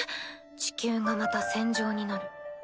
地球がまた戦場になる。